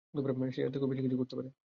সে এর থেকেও বেশি কিছু করতে পারে!